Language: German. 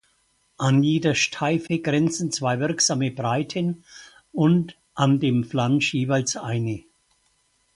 An jeder Steife grenzen zwei wirksame Breiten und an dem Flansch jeweils eine.